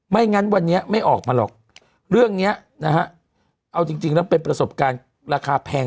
งั้นวันนี้ไม่ออกมาหรอกเรื่องนี้นะฮะเอาจริงแล้วเป็นประสบการณ์ราคาแพง